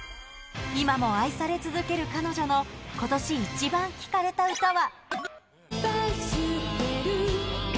今も愛され続ける彼女の、今年イチバン聴かれた歌は。